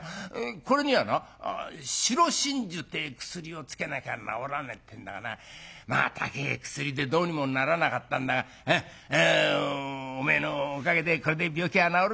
これにはな白真珠てえ薬をつけなきゃ治らねえってんだがなまあ高え薬でどうにもならなかったんだがおめえのおかげでこれで病気は治るんだ。